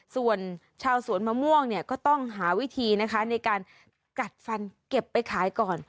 ส่วนชาวสวนมะม่วงเนี่ยก็ต้องหาวิธีนะคะในการกัดฟันเก็บไปขายก่อน